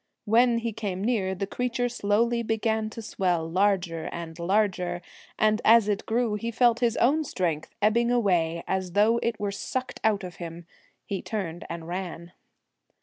When he came near, the creature slowly began to swell larger and larger, and as it grew he felt his own strength ebbing away, as though it were sucked out of him. He turned and ran.